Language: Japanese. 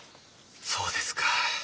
そうですか。